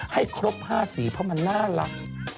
ให้ครบ๕สีเพราะมันน่ารัก